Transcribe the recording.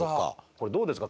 これどうですか？